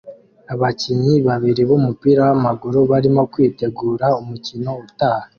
Abakinnyi babiri b'umupira w'amaguru barimo kwitegura umukino utaha